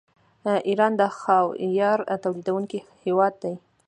ایران د خاویار تولیدونکی هیواد دی.